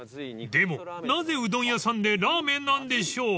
［でもなぜうどん屋さんでラーメンなんでしょう？］